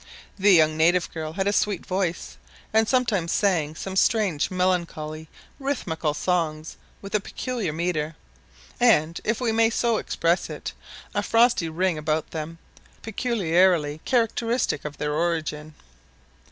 The young native girl had a sweet voice, and sometimes sang some strange melancholy rhythmical songs with a peculiar metre, and, if we may so express it, a frosty ring about them, peculiarly characteristic of their origin.